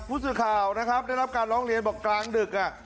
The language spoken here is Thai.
ผู้สื่อข่าวนะครับได้รับการร้องเรียนบอกกลางดึก